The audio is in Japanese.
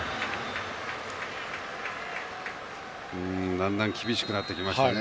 だんだん厳しくなってきましたね。